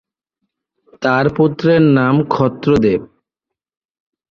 তার পুত্রের নাম ক্ষত্রদেব।